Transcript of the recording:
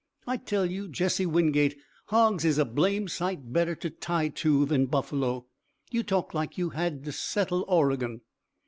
I tell you, Jesse Wingate, hogs is a blame sight better to tie to than buffalo! You talk like you had to settle Oregon!"